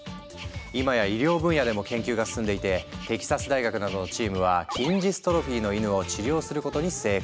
今や医療分野でも研究が進んでいてテキサス大学などのチームは筋ジストロフィーの犬を治療することに成功。